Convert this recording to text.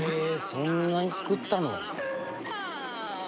そんなに作ったの。